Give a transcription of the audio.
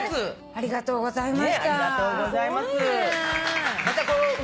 ありがとうございます。